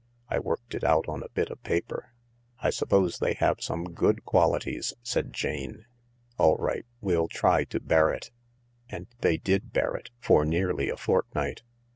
I worked it out on a bit of paper." " I suppose they have some good qualities," said Jane. " All right, we'll try to bear it." And they did bear it— for nearly a fortnight.